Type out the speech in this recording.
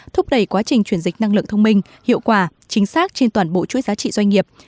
thúc đẩy quá trình chuyển dịch năng lượng thông minh hiệu quả chính xác trên toàn bộ chuỗi giá trị doanh nghiệp